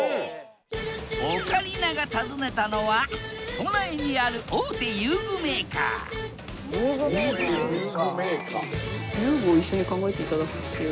オカリナが訪ねたのは都内にある大手遊具メーカー遊具メーカー？